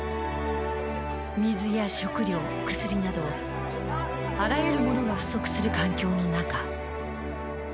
水や食料、薬などあらゆるものが不足する環境の中。